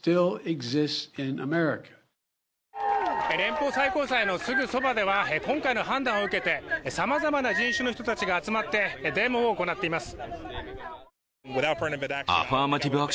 連邦最高裁のすぐそばでは今回の判断を受けて、さまざまな人種の人たちが集まってデモを行っています。